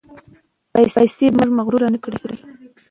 پیسې باید موږ مغرور نکړي.